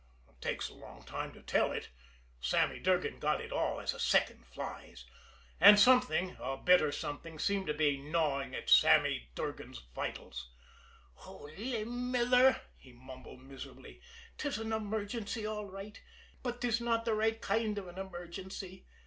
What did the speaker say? It takes long to tell it Sammy Durgan got it all as a second flies. And something, a bitter something, seemed to be gnawing at Sammy Durgan's vitals. "Holy Mither!" he mumbled miserably. "'Tis an emergency, all right but 'tis not the right kind of an emergency.